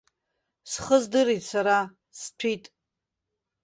Схы здырит сара, сҭәит.